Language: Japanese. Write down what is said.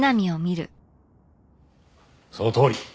そのとおり！